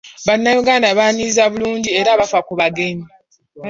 Bannayuganda baaniriza bulungi era bafa ku bagenyi.